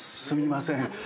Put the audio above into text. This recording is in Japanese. すみません。